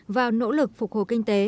vào nỗ lực phục hồ kinh tế